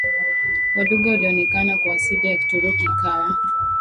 wa lugha ulionekana kwa asili na Kituruki ikawa